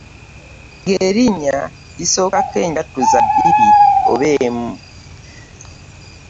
Ng'erinnya lisoosaako enjatuza bbiri oba emu.